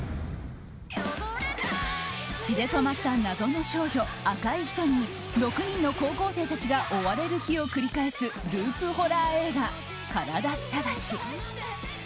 血で染まった謎の少女赤い人に６人の高校生たちが追われる日を繰り返すループホラー映画「カラダ探し」。